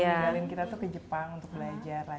darin kita tuh ke jepang untuk belajar lagi